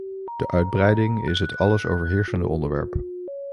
De uitbreiding is het allesoverheersende onderwerp.